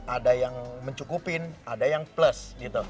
ada yang mencukupin ada yang plus gitu